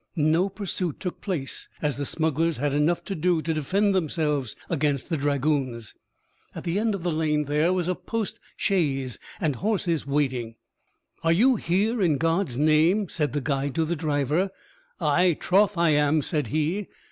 No pursuit took place, as the smugglers had enough to do to defend themselves against the dragoons. At the end of the lane there was a post chaise and horses waiting. "Are you here in God's name?" said the guide to the driver. "Ay, troth I am," said he.